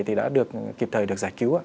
thì đã được kịp thời được giải cứu